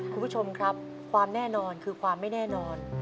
คุณผู้ชมครับความแน่นอนคือความไม่แน่นอน